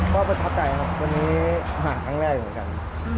ก็ประทับใจครับวันนี้ห่างครั้งแรกเหมือนกัน